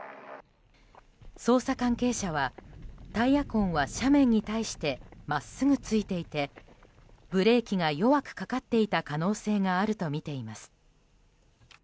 捜査関係者はタイヤ痕は斜面に対して真っすぐついていてブレーキが弱くかかっていた可能性があるとみています。